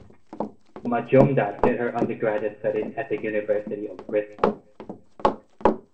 Majumdar did her undergraduate studies at the University of Bristol.